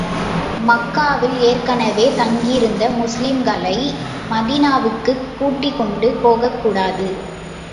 மக்காவில் ஏற்கனவே தங்கியிருந்த முஸ்லிம்களை, மதீனாவுக்குக் கூட்டிக் கொண்டு போகக் கூடாது.